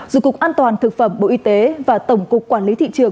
dù cục an toàn thực phẩm bộ y tế và tổng cục quản lý thị trường đã ghi nhận